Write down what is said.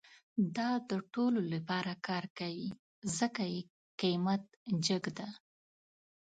دا د ټولو لپاره کار کوي، ځکه یې قیمت جیګ ده